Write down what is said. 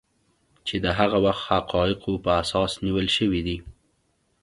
چې د هغه وخت حقایقو په اساس نیول شوي دي